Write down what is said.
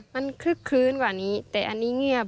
มันคึกคื้นกว่านี้แต่อันนี้เงียบ